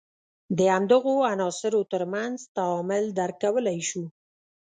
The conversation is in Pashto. د همدغو عناصر تر منځ تعامل درک کولای شو.